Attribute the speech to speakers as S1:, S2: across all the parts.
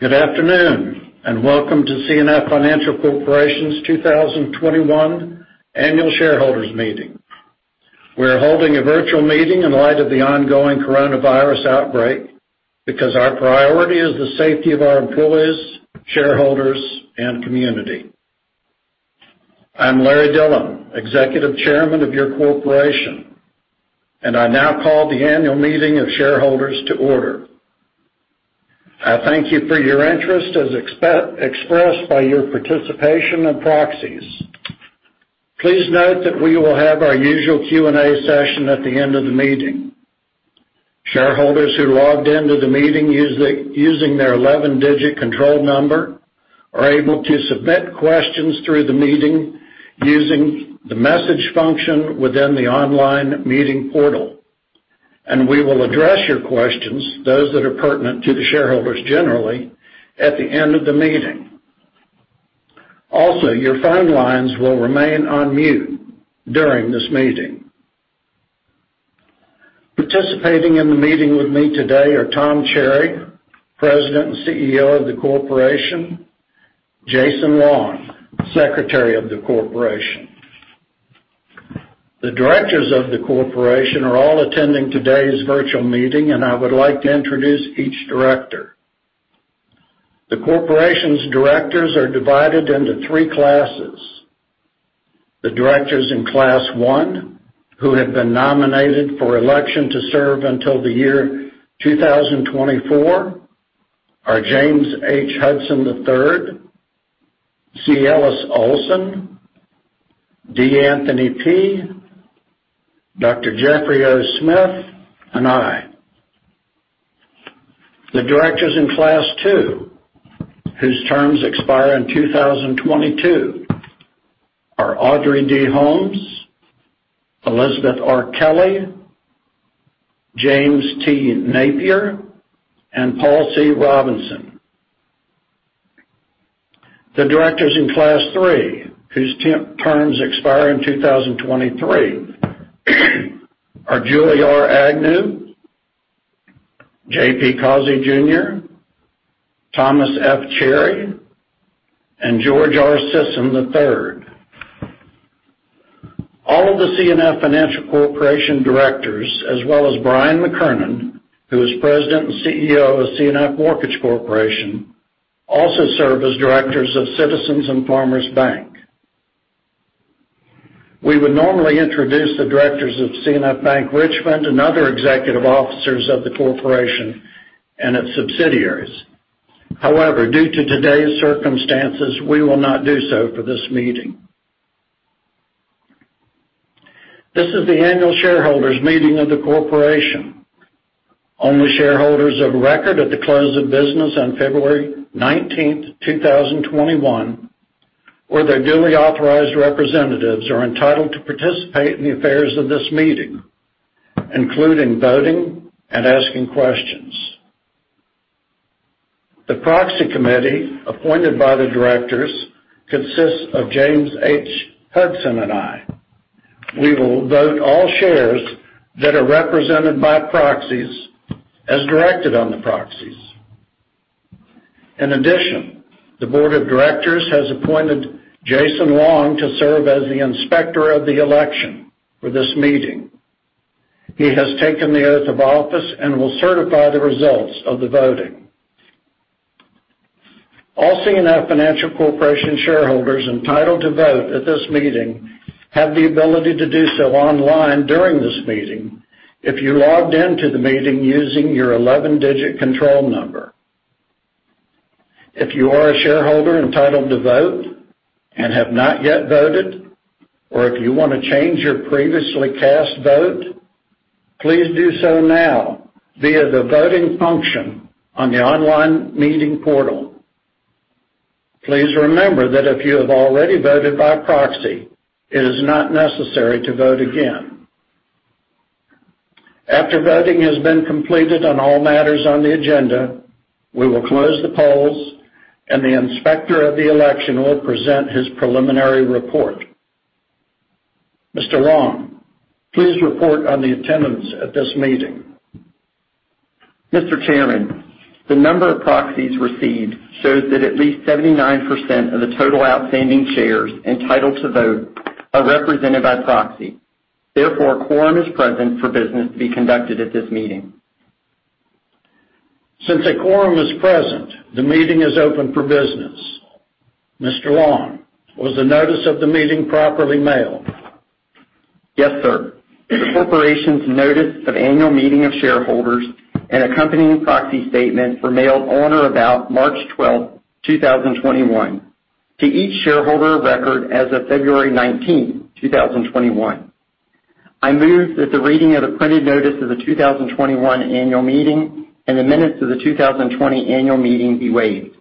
S1: Good afternoon, welcome to C&F Financial Corporation's 2021 annual shareholders meeting. We are holding a virtual meeting in light of the ongoing coronavirus outbreak because our priority is the safety of our employees, shareholders, and community. I'm Larry Dillon, Executive Chairman of your corporation, and I now call the annual meeting of shareholders to order. I thank you for your interest as expressed by your participation and proxies. Please note that we will have our usual Q&A session at the end of the meeting. Shareholders who logged into the meeting using their 11-digit control number are able to submit questions through the meeting using the message function within the online meeting portal, and we will address your questions, those that are pertinent to the shareholders generally, at the end of the meeting. Also, your phone lines will remain on mute during this meeting. Participating in the meeting with me today are Tom Cherry, President and CEO of the corporation, Jason Long, Secretary of the corporation. The directors of the corporation are all attending today's virtual meeting, and I would like to introduce each director. The corporation's directors are divided into three classes. The directors in class one, who have been nominated for election to serve until the year 2024, are James H. Hudson III, C. Elis Olsson, D. Anthony Peay, Dr. Jeffery O. Smith, and I. The directors in class two, whose terms expire in 2022, are Audrey D. Holmes, Elizabeth R. Kelley, James T. Napier, and Paul C. Robinson. The directors in class three, whose terms expire in 2023, are Julie R. Agnew, J.P. Causey Jr., Thomas F. Cherry, and George R. Sisson III. All of the C&F Financial Corporation directors, as well as Bryan E. McKernon, who is President and CEO of C&F Mortgage Corporation, also serve as directors of Citizens and Farmers Bank. We would normally introduce the directors of C&F Bank Richmond and other executive officers of the corporation and its subsidiaries. However, due to today's circumstances, we will not do so for this meeting. This is the annual shareholders meeting of the corporation. Only shareholders of record at the close of business on February 19th, 2021, or their duly authorized representatives are entitled to participate in the affairs of this meeting, including voting and asking questions. The proxy committee appointed by the directors consists of James H. Hudson and I. We will vote all shares that are represented by proxies as directed on the proxies. In addition, the board of directors has appointed Jason Long to serve as the inspector of the election for this meeting. He has taken the oath of office and will certify the results of the voting. All C&F Financial Corporation shareholders entitled to vote at this meeting have the ability to do so online during this meeting if you logged in to the meeting using your 11-digit control number. If you are a shareholder entitled to vote and have not yet voted, or if you want to change your previously cast vote, please do so now via the voting function on the online meeting portal. Please remember that if you have already voted by proxy, it is not necessary to vote again. After voting has been completed on all matters on the agenda, we will close the polls and the inspector of the election will present his preliminary report. Mr. Long, please report on the attendance at this meeting.
S2: Mr. Chairman, the number of proxies received shows that at least 79% of the total outstanding shares entitled to vote are represented by proxy. Therefore, quorum is present for business to be conducted at this meeting.
S1: Since a quorum is present, the meeting is open for business. Mr. Long, was the notice of the meeting properly mailed?
S2: Yes, sir. The corporation's notice of annual meeting of shareholders and accompanying proxy statement were mailed on or about March 12th, 2021, to each shareholder of record as of February 19th, 2021. I move that the reading of the printed notice of the 2021 annual meeting and the minutes of the 2020 annual meeting be waived.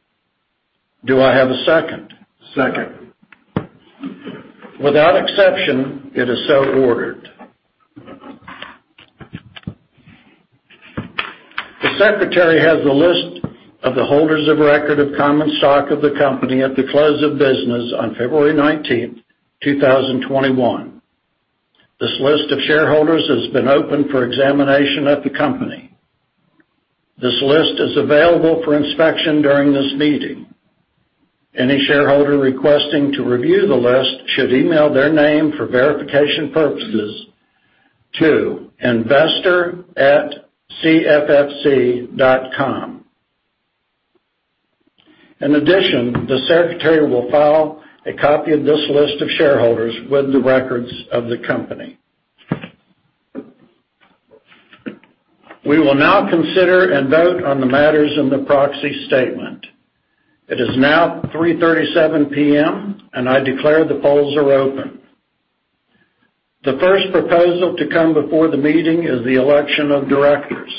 S1: Do I have a second?
S3: Second.
S1: Without exception, it is so ordered. The secretary has the list of the holders of record of common stock of the company at the close of business on February 19, 2021. This list of shareholders has been open for examination at the company. This list is available for inspection during this meeting. Any shareholder requesting to review the list should email their name for verification purposes to investor@cffc.com. The secretary will file a copy of this list of shareholders with the records of the company. We will now consider and vote on the matters in the proxy statement. It is now 3:37 P.M. I declare the polls are open. The first proposal to come before the meeting is the election of directors.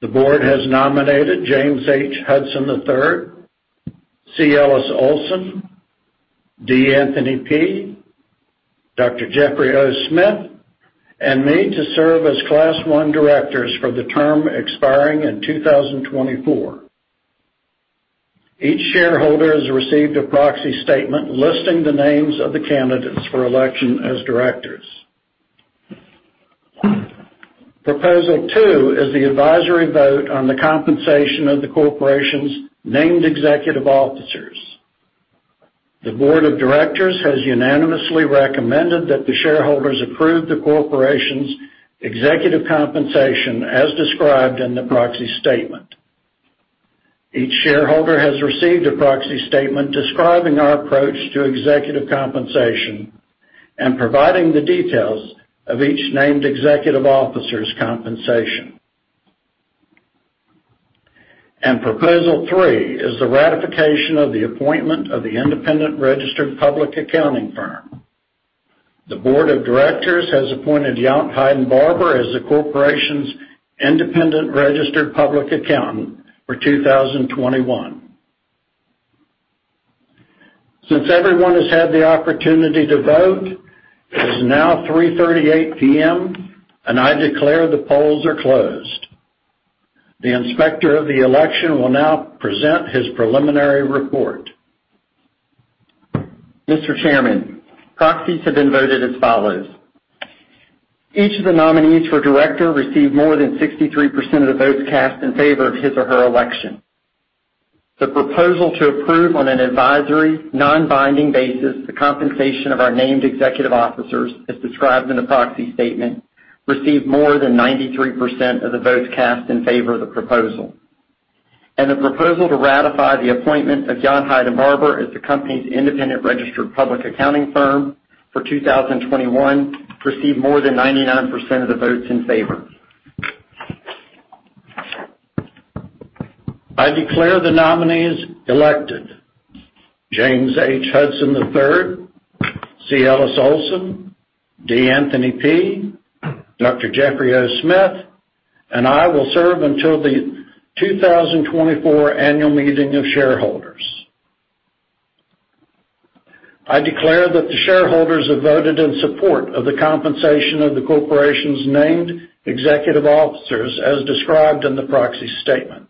S1: The board has nominated James H. Hudson III, C. Elis Olsson, D. Anthony Peay, Dr. Jeffery O. Smith And me to serve as Class 1 directors for the term expiring in 2024. Each shareholder has received a proxy statement listing the names of the candidates for election as directors. Proposal 2 is the advisory vote on the compensation of the corporation's named executive officers. The board of directors has unanimously recommended that the shareholders approve the corporation's executive compensation as described in the proxy statement. Each shareholder has received a proxy statement describing our approach to executive compensation and providing the details of each named executive officer's compensation. Proposal 3 is the ratification of the appointment of the independent registered public accounting firm. The board of directors has appointed Yount, Hyde & Barbour as the corporation's independent registered public accountant for 2021. Since everyone has had the opportunity to vote, it is now 3:38 PM, and I declare the polls are closed. The inspector of the election will now present his preliminary report.
S2: Mr. Chairman, proxies have been voted as follows. Each of the nominees for director received more than 63% of the votes cast in favor of his or her election. The proposal to approve on an advisory, non-binding basis the compensation of our named executive officers as described in the proxy statement received more than 93% of the votes cast in favor of the proposal. The proposal to ratify the appointment of Yount, Hyde & Barbour as the company's independent registered public accounting firm for 2021 received more than 99% of the votes in favor.
S1: I declare the nominees elected. James H. Hudson III, C. Elis Olsson, D. Anthony Peay, Dr. Jeffery O. Smith, and I will serve until the 2024 annual meeting of shareholders. I declare that the shareholders have voted in support of the compensation of the corporation's named executive officers as described in the proxy statement.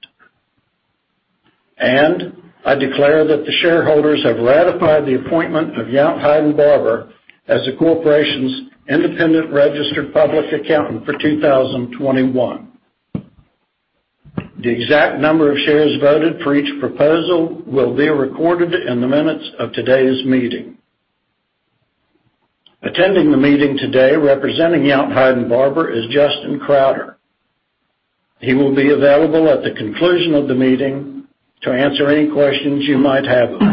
S1: I declare that the shareholders have ratified the appointment of Yount, Hyde & Barbour as the corporation's independent registered public accountant for 2021. The exact number of shares voted for each proposal will be recorded in the minutes of today's meeting. Attending the meeting today, representing Yount, Hyde & Barbour, is Justin Crowder. He will be available at the conclusion of the meeting to answer any questions you might have of him.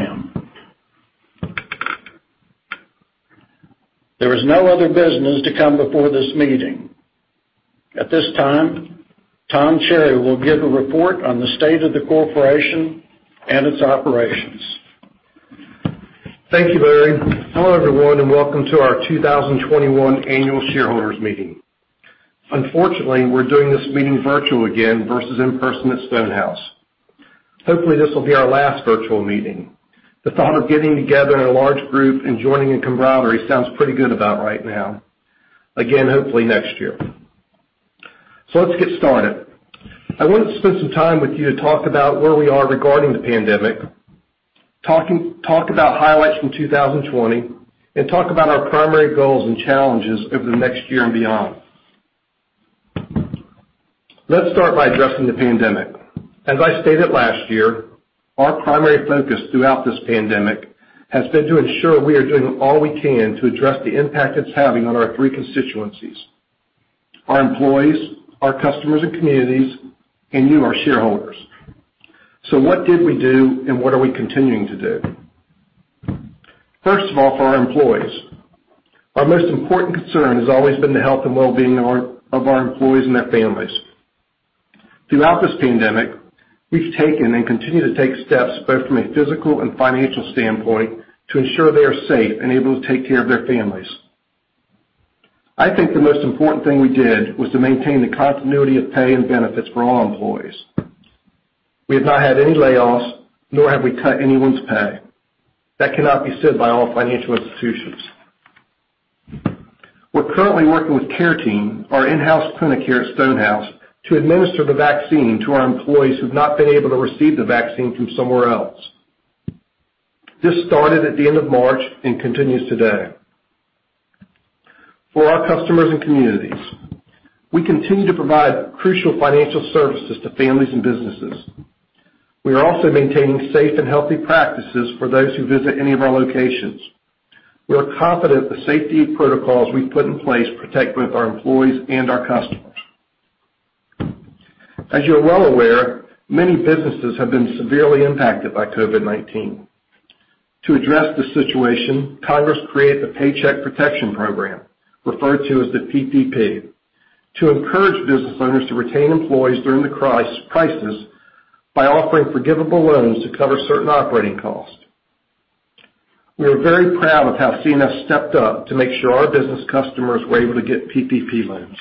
S1: There is no other business to come before this meeting. At this time, Tom Cherry will give a report on the state of the corporation and its operations.
S4: Thank you, Larry. Hello, everyone, welcome to our 2021 annual shareholders meeting. Unfortunately, we're doing this meeting virtual again versus in-person at Stonehouse. Hopefully, this will be our last virtual meeting. The thought of getting together in a large group and joining in camaraderie sounds pretty good about right now. Again, hopefully next year. Let's get started. I want to spend some time with you to talk about where we are regarding the pandemic, talk about highlights from 2020, and talk about our primary goals and challenges over the next year and beyond. Let's start by addressing the pandemic. As I stated last year, our primary focus throughout this pandemic has been to ensure we are doing all we can to address the impact it's having on our three constituencies, our employees, our customers and communities, and you, our shareholders. What did we do, and what are we continuing to do? First of all, for our employees. Our most important concern has always been the health and well-being of our employees and their families. Throughout this pandemic, we've taken and continue to take steps both from a physical and financial standpoint to ensure they are safe and able to take care of their families. I think the most important thing we did was to maintain the continuity of pay and benefits for all employees. We have not had any layoffs, nor have we cut anyone's pay. That cannot be said by all financial institutions. We're currently working with CareTeam, our in-house clinic here at Stonehouse, to administer the vaccine to our employees who've not been able to receive the vaccine from somewhere else. This started at the end of March and continues today. For our customers and communities, we continue to provide crucial financial services to families and businesses. We are also maintaining safe and healthy practices for those who visit any of our locations. We are confident the safety protocols we've put in place protect both our employees and our customers. As you're well aware, many businesses have been severely impacted by COVID-19. To address this situation, Congress created the Paycheck Protection Program, referred to as the PPP, to encourage business owners to retain employees during the crisis by offering forgivable loans to cover certain operating costs. We are very proud of how C&F stepped up to make sure our business customers were able to get PPP loans.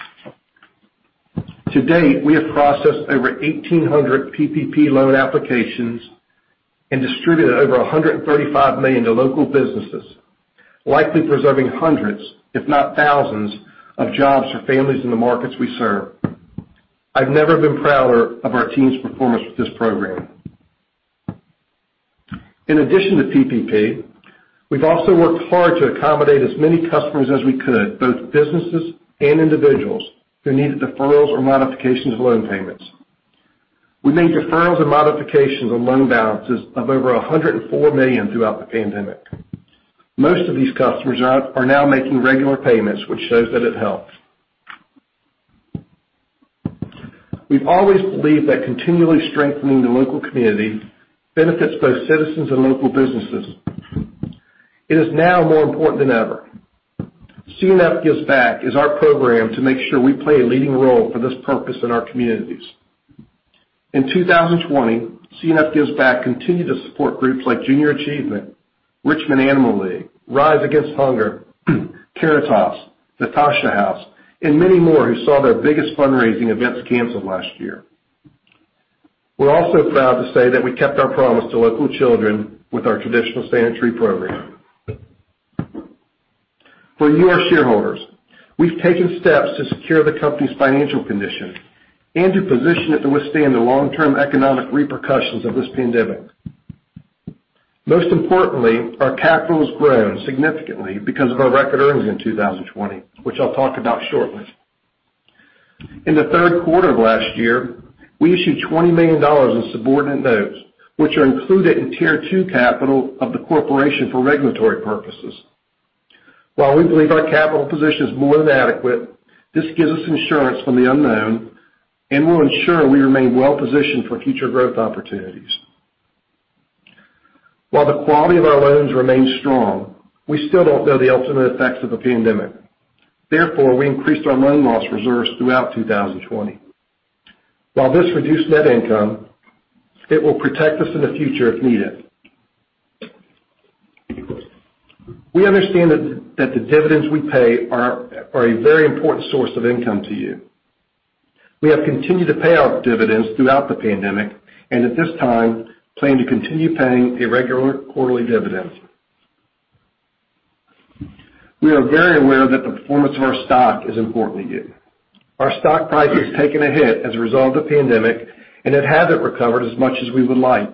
S4: To date, we have processed over 1,800 PPP loan applications and distributed over $135 million to local businesses, likely preserving hundreds, if not thousands, of jobs for families in the markets we serve. I've never been prouder of our team's performance with this program. In addition to PPP, we've also worked hard to accommodate as many customers as we could, both businesses and individuals, who needed deferrals or modifications of loan payments. We made deferrals and modifications on loan balances of over $104 million throughout the pandemic. Most of these customers are now making regular payments, which shows that it helps. We've always believed that continually strengthening the local community benefits both citizens and local businesses. It is now more important than ever. C&F Gives Back is our program to make sure we play a leading role for this purpose in our communities. In 2020, C&F Gives Back continued to support groups like Junior Achievement, Richmond Animal League, Rise Against Hunger, Caritas, NATASHA House, and many more who saw their biggest fundraising events canceled last year. We're also proud to say that we kept our promise to local children with our traditional Santa Tree program. For you, our shareholders, we've taken steps to secure the company's financial condition and to position it to withstand the long-term economic repercussions of this pandemic. Most importantly, our capital has grown significantly because of our record earnings in 2020, which I'll talk about shortly. In the third quarter of last year, we issued $20 million in subordinate notes, which are included in Tier 2 capital of the corporation for regulatory purposes. While we believe our capital position is more than adequate, this gives us insurance from the unknown and will ensure we remain well-positioned for future growth opportunities. While the quality of our loans remains strong, we still don't know the ultimate effects of the pandemic. We increased our loan loss reserves throughout 2020. While this reduced net income, it will protect us in the future if needed. We understand that the dividends we pay are a very important source of income to you. We have continued to pay out dividends throughout the pandemic and at this time plan to continue paying a regular quarterly dividend. We are very aware that the performance of our stock is important to you. Our stock price has taken a hit as a result of the pandemic, and it hasn't recovered as much as we would like.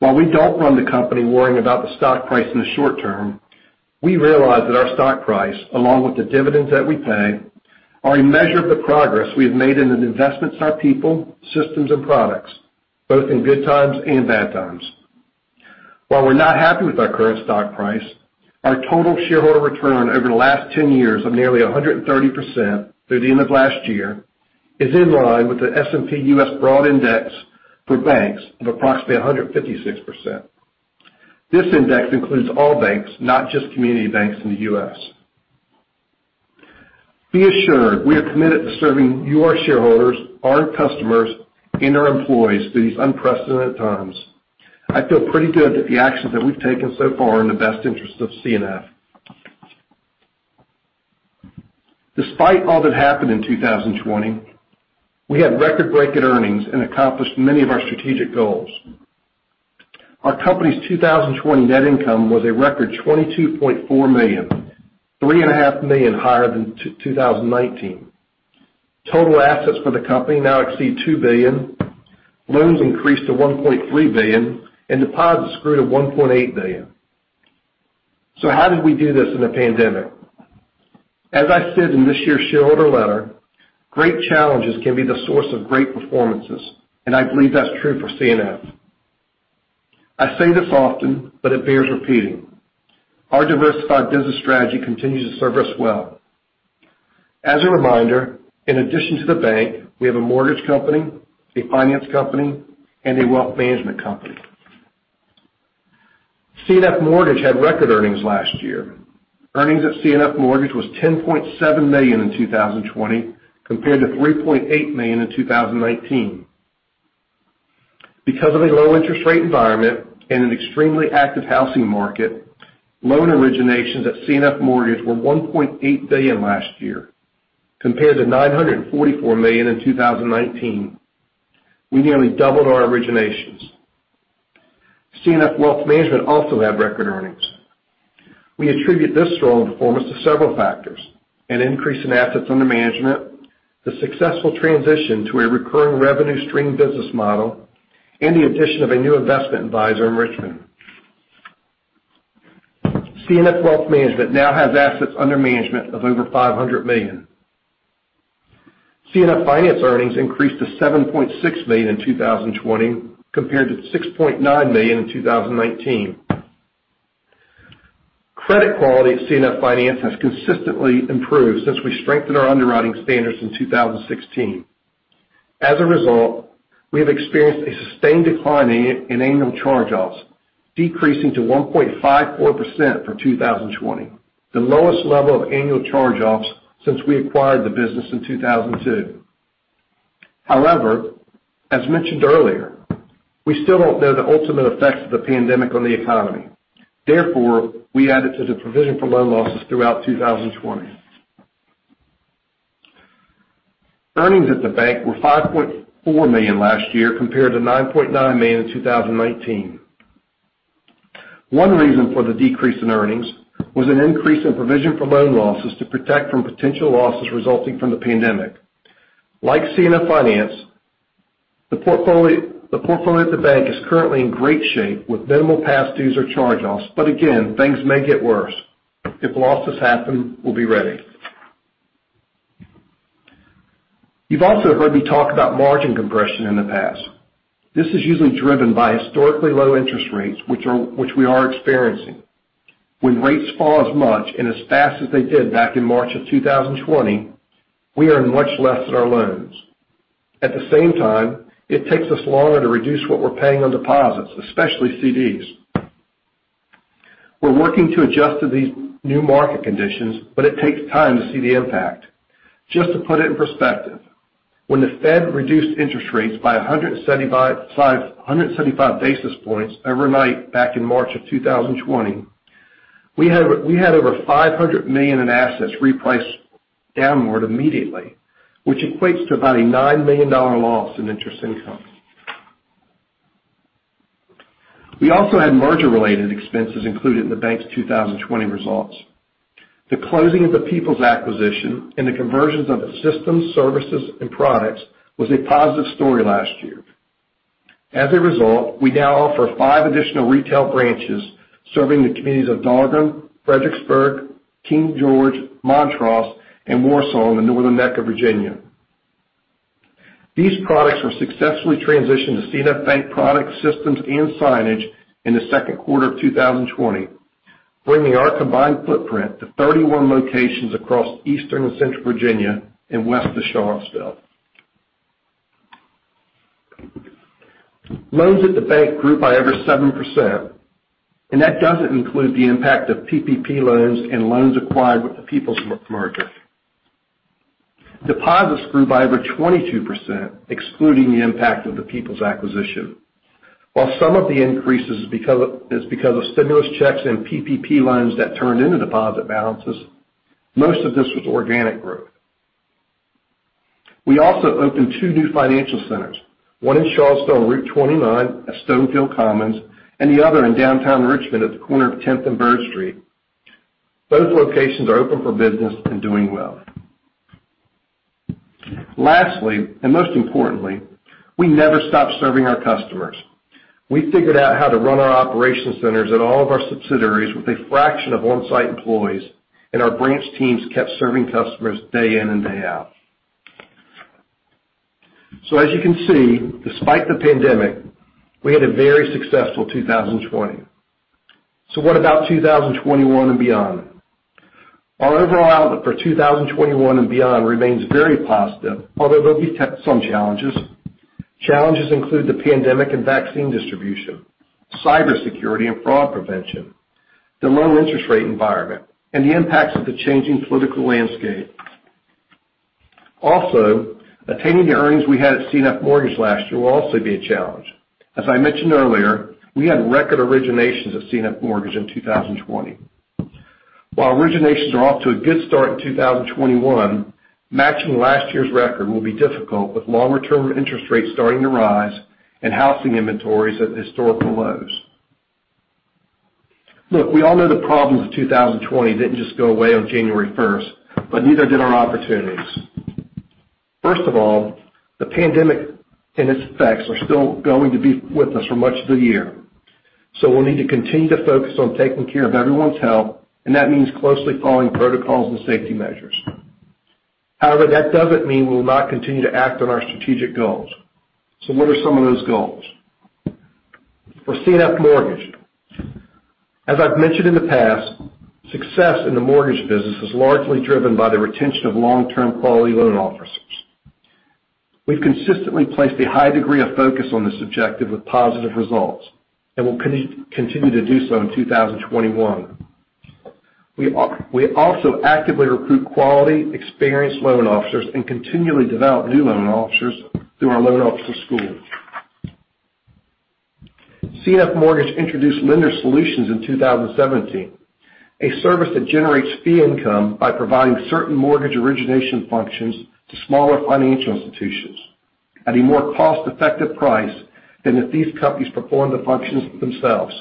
S4: While we don't run the company worrying about the stock price in the short term, we realize that our stock price, along with the dividends that we pay, are a measure of the progress we've made in the investments in our people, systems, and products, both in good times and bad times. While we're not happy with our current stock price, our total shareholder return over the last 10 years of nearly 130% through the end of last year is in line with the S&P US BMI Banks Index of approximately 156%. This index includes all banks, not just community banks in the U.S. Be assured, we are committed to serving you, our shareholders, our customers, and our employees through these unprecedented times. I feel pretty good that the actions that we've taken so far are in the best interest of C&F. Despite all that happened in 2020, we had record-breaking earnings and accomplished many of our strategic goals. Our company's 2020 net income was a record $22.4 million, $3.5 million higher than 2019. Total assets for the company now exceed $2 billion, loans increased to $1.3 billion, and deposits grew to $1.8 billion. How did we do this in a pandemic? As I said in this year's shareholder letter, great challenges can be the source of great performances, and I believe that's true for C&F. I say this often, it bears repeating. Our diversified business strategy continues to serve us well. As a reminder, in addition to the bank, we have a mortgage company, a finance company, and a wealth management company. C&F Mortgage had record earnings last year. Earnings at C&F Mortgage was $10.7 million in 2020 compared to $3.8 million in 2019. Because of a low interest rate environment and an extremely active housing market, loan originations at C&F Mortgage were $1.8 billion last year compared to $944 million in 2019. We nearly doubled our originations. C&F Wealth Management also had record earnings. We attribute this strong performance to several factors, an increase in assets under management, the successful transition to a recurring revenue stream business model, and the addition of a new investment advisor in Richmond. C&F Wealth Management now has assets under management of over $500 million. C&F Finance earnings increased to $7.6 million in 2020, compared to $6.9 million in 2019. Credit quality at C&F Finance has consistently improved since we strengthened our underwriting standards in 2016. As a result, we have experienced a sustained decline in annual charge-offs, decreasing to 1.54% for 2020, the lowest level of annual charge-offs since we acquired the business in 2002. However, as mentioned earlier, we still don't know the ultimate effects of the pandemic on the economy. Therefore, we added to the provision for loan losses throughout 2020. Earnings at C&F Bank were $5.4 million last year, compared to $9.9 million in 2019. One reason for the decrease in earnings was an increase in provision for loan losses to protect from potential losses resulting from the pandemic. Like C&F Finance, the portfolio at C&F Bank is currently in great shape with minimal past dues or charge-offs. Again, things may get worse. If losses happen, we'll be ready. You've also heard me talk about margin compression in the past. This is usually driven by historically low interest rates, which we are experiencing. When rates fall as much and as fast as they did back in March of 2020, we earn much less on our loans. At the same time, it takes us longer to reduce what we're paying on deposits, especially CDs. We're working to adjust to these new market conditions. It takes time to see the impact. Just to put it in perspective, when the Fed reduced interest rates by 175 basis points overnight back in March of 2020, we had over $500 million in assets reprice downward immediately, which equates to about a $9 million loss in interest income. We also had merger-related expenses included in the bank's 2020 results. The closing of the Peoples acquisition and the conversions of the systems, services, and products was a positive story last year. As a result, we now offer five additional retail branches serving the communities of Dahlgren, Fredericksburg, King George, Montross, and Warsaw in the Northern Neck of Virginia. These products were successfully transitioned to C&F Bank products, systems, and signage in the second quarter of 2020, bringing our combined footprint to 31 locations across eastern and central Virginia and west of Charlottesville. Loans at the bank grew by over 7%, that doesn't include the impact of PPP loans and loans acquired with the Peoples merger. Deposits grew by over 22%, excluding the impact of the Peoples acquisition. While some of the increases is because of stimulus checks and PPP loans that turned into deposit balances, most of this was organic growth. We also opened two new financial centers, one in Charlottesville on Route 29 at Stonefield Commons, and the other in downtown Richmond at the corner of 10th and Byrd Street. Both locations are open for business and doing well. Lastly, and most importantly, we never stopped serving our customers. We figured out how to run our operation centers at all of our subsidiaries with a fraction of on-site employees, and our branch teams kept serving customers day in and day out. As you can see, despite the pandemic, we had a very successful 2020. What about 2021 and beyond? Our overall outlook for 2021 and beyond remains very positive, although there'll be some challenges. Challenges include the pandemic and vaccine distribution, cybersecurity and fraud prevention, the low interest rate environment, and the impacts of the changing political landscape. Also, attaining the earnings we had at C&F Mortgage last year will also be a challenge. As I mentioned earlier, we had record originations at C&F Mortgage in 2020. While originations are off to a good start in 2021, matching last year's record will be difficult with longer term interest rates starting to rise and housing inventories at historical lows. Look, we all know the problems of 2020 didn't just go away on January 1st, but neither did our opportunities. First of all, the pandemic and its effects are still going to be with us for much of the year. We'll need to continue to focus on taking care of everyone's health, and that means closely following protocols and safety measures. However, that doesn't mean we'll not continue to act on our strategic goals. What are some of those goals? For C&F Mortgage, as I've mentioned in the past, success in the mortgage business is largely driven by the retention of long-term quality loan officers. We've consistently placed a high degree of focus on this objective with positive results, and will continue to do so in 2021. We also actively recruit quality, experienced loan officers and continually develop new loan officers through our loan officer school. C&F Mortgage introduced Lender Solutions in 2017, a service that generates fee income by providing certain mortgage origination functions to smaller financial institutions at a more cost-effective price than if these companies performed the functions themselves.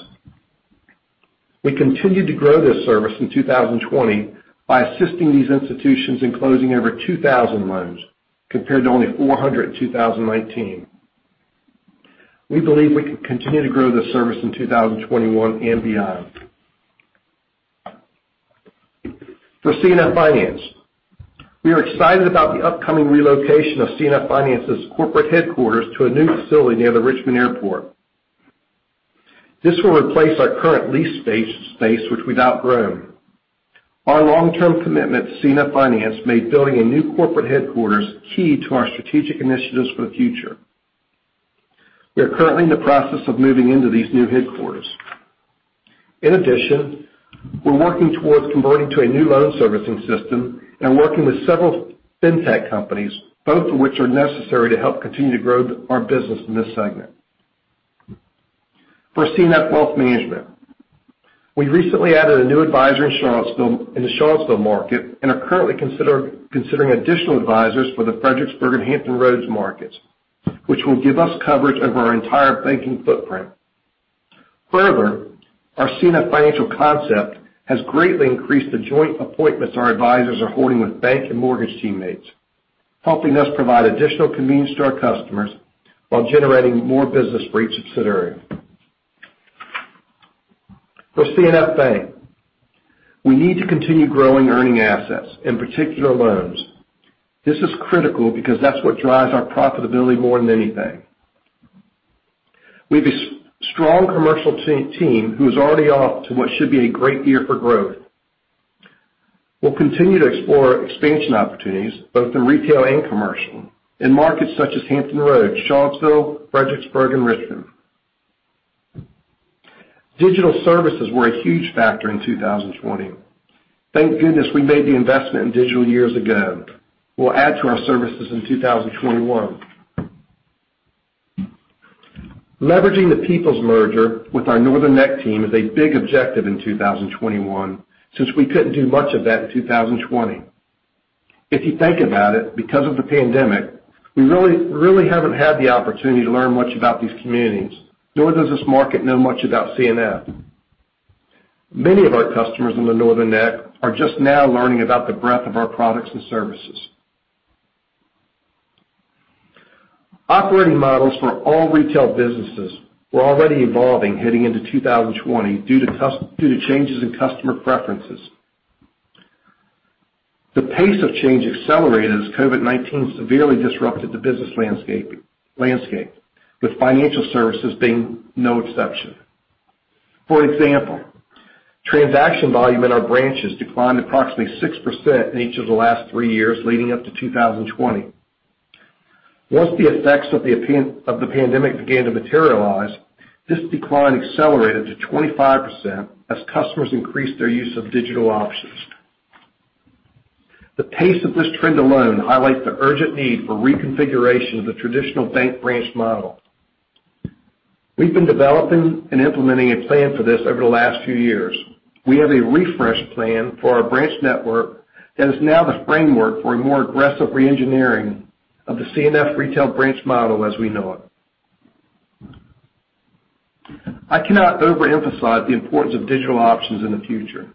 S4: We continued to grow this service in 2020 by assisting these institutions in closing over 2,000 loans, compared to only 400 in 2019. We believe we can continue to grow this service in 2021 and beyond. For C&F Finance, we are excited about the upcoming relocation of C&F Finance's corporate headquarters to a new facility near the Richmond Airport. This will replace our current leased space, which we've outgrown. Our long-term commitment to C&F Finance made building a new corporate headquarters key to our strategic initiatives for the future. We are currently in the process of moving into these new headquarters. We're working towards converting to a new loan servicing system and working with several fintech companies, both of which are necessary to help continue to grow our business in this segment. For C&F Wealth Management, we recently added a new advisor in the Charlottesville market and are currently considering additional advisors for the Fredericksburg and Hampton Roads markets, which will give us coverage over our entire banking footprint. Our C&F Financial concept has greatly increased the joint appointments our advisors are holding with bank and mortgage teammates, helping us provide additional convenience to our customers while generating more business for each subsidiary. For C&F Bank, we need to continue growing earning assets, in particular loans. This is critical because that's what drives our profitability more than anything. We have a strong commercial team who is already off to what should be a great year for growth. We'll continue to explore expansion opportunities, both in retail and commercial, in markets such as Hampton Roads, Charlottesville, Fredericksburg, and Richmond. Digital services were a huge factor in 2020. Thank goodness we made the investment in digital years ago. We'll add to our services in 2021. Leveraging the Peoples merger with our Northern Neck team is a big objective in 2021, since we couldn't do much of that in 2020. If you think about it, because of the pandemic, we really haven't had the opportunity to learn much about these communities, nor does this market know much about C&F. Many of our customers in the Northern Neck are just now learning about the breadth of our products and services. Operating models for all retail businesses were already evolving heading into 2020 due to changes in customer preferences. The pace of change accelerated as COVID-19 severely disrupted the business landscape, with financial services being no exception. For example, transaction volume in our branches declined approximately 6% in each of the last three years leading up to 2020. Once the effects of the pandemic began to materialize, this decline accelerated to 25% as customers increased their use of digital options. The pace of this trend alone highlights the urgent need for reconfiguration of the traditional bank branch model. We've been developing and implementing a plan for this over the last few years. We have a refresh plan for our branch network that is now the framework for a more aggressive re-engineering of the C&F retail branch model as we know it. I cannot overemphasize the importance of digital options in the future.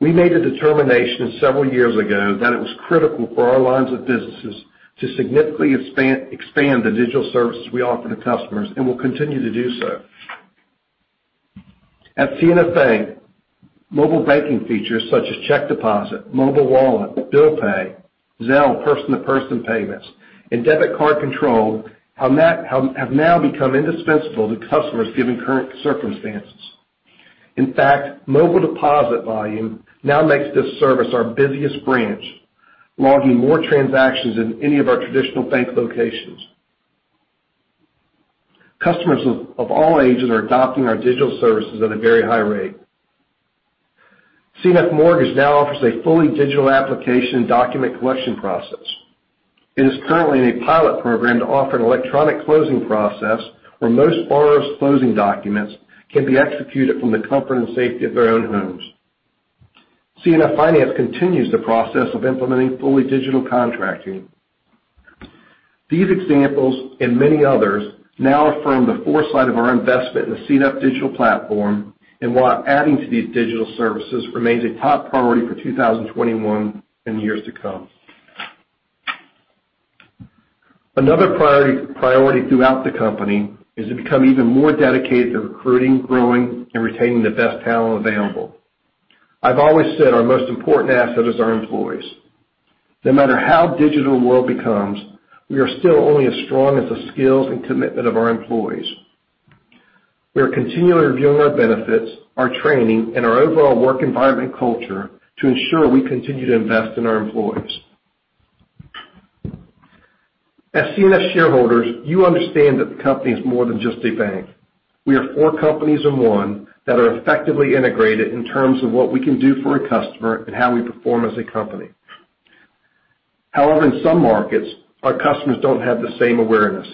S4: We made a determination several years ago that it was critical for our lines of businesses to significantly expand the digital services we offer to customers, and will continue to do so. At C&F Bank, mobile banking features such as check deposit, mobile wallet, bill pay, Zelle person-to-person payments, and debit card control have now become indispensable to customers given current circumstances. In fact, mobile deposit volume now makes this service our busiest branch, logging more transactions than any of our traditional bank locations. Customers of all ages are adopting our digital services at a very high rate. C&F Mortgage now offers a fully digital application and document collection process. It is currently in a pilot program to offer an electronic closing process where most borrowers' closing documents can be executed from the comfort and safety of their own homes. C&F Finance continues the process of implementing fully digital contracting. These examples and many others now affirm the foresight of our investment in the C&F digital platform, and while adding to these digital services remains a top priority for 2021 and years to come. Another priority throughout the company is to become even more dedicated to recruiting, growing, and retaining the best talent available. I've always said our most important asset is our employees. No matter how digital the world becomes, we are still only as strong as the skills and commitment of our employees. We are continually reviewing our benefits, our training, and our overall work environment culture to ensure we continue to invest in our employees. As C&F shareholders, you understand that the company is more than just a bank. We are four companies in one that are effectively integrated in terms of what we can do for a customer and how we perform as a company. However, in some markets, our customers don't have the same awareness.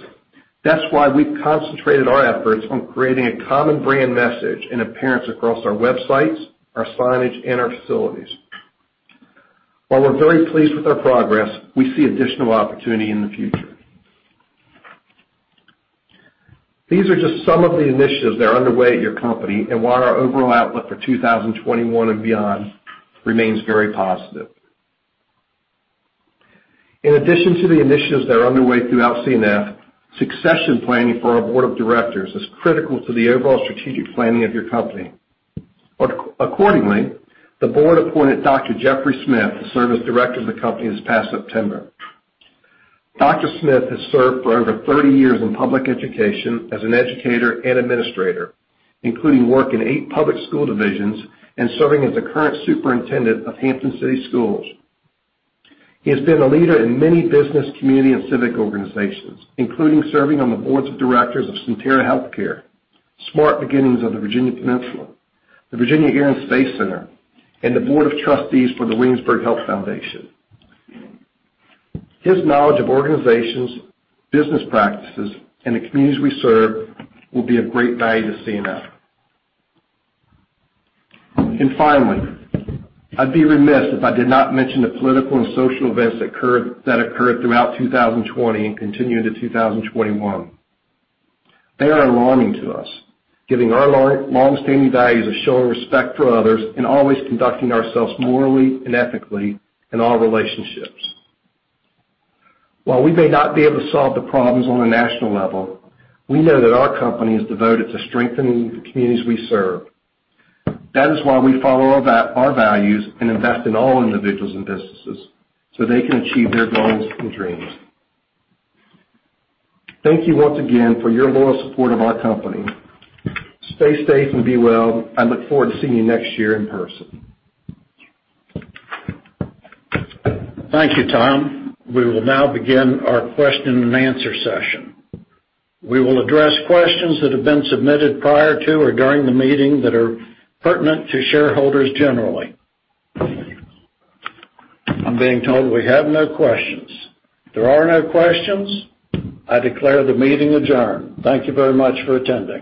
S4: That's why we've concentrated our efforts on creating a common brand message and appearance across our websites, our signage, and our facilities. While we're very pleased with our progress, we see additional opportunity in the future. These are just some of the initiatives that are underway at your company and why our overall outlook for 2021 and beyond remains very positive. In addition to the initiatives that are underway throughout C&F, succession planning for our board of directors is critical to the overall strategic planning of your company. Accordingly, the board appointed Dr. Jeffery Smith to serve as Director of the company this past September. Dr. Smith has served for over 30 years in public education as an educator and administrator, including work in eight public school divisions and serving as the current Superintendent of Hampton City Schools. He has been a leader in many business, community, and civic organizations, including serving on the boards of directors of Sentara Healthcare, Smart Beginnings Virginia Peninsula, the Virginia Air & Space Science Center, and the board of trustees for the Williamsburg Health Foundation. His knowledge of organizations, business practices, and the communities we serve will be of great value to C&F. Finally, I'd be remiss if I did not mention the political and social events that occurred throughout 2020 and continue into 2021. They are alarming to us, giving our longstanding values of showing respect for others and always conducting ourselves morally and ethically in all relationships. While we may not be able to solve the problems on a national level, we know that our company is devoted to strengthening the communities we serve. That is why we follow our values and invest in all individuals and businesses, so they can achieve their goals and dreams. Thank you once again for your loyal support of our company. Stay safe and be well. I look forward to seeing you next year in person.
S1: Thank you, Tom. We will now begin our question and answer session. We will address questions that have been submitted prior to or during the meeting that are pertinent to shareholders generally. I'm being told we have no questions. There are no questions. I declare the meeting adjourned. Thank you very much for attending.